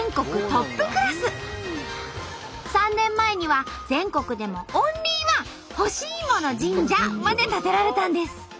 ３年前には全国でもオンリーワン干しいもの神社まで建てられたんです。